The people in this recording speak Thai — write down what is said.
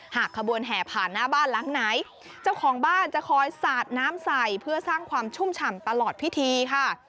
ขบวนแห่ผ่านหน้าบ้านหลังไหนเจ้าของบ้านจะคอยสาดน้ำใส่เพื่อสร้างความชุ่มฉ่ำตลอดพิธีค่ะ